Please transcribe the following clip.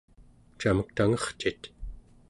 camek tangercit?